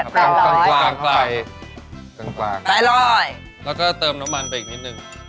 ประมาณ๘๐๐นี่แหละครับกลางปลายแล้วก็เติมน้ำมันไปอีกนิดนึง